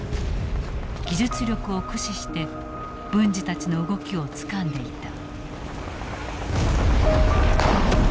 技術力を駆使して文次たちの動きをつかんでいた。